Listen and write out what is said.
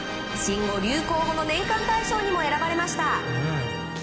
流行語年間大賞にも選ばれました。